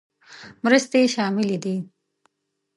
مرستې شاملې دي.